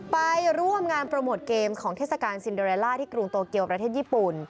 ไปร่วมงานโปรโมทเกมของเทศกาลซินเดอเรลล่าที่กรุงโตเกียวประเทศญี่ปุ่น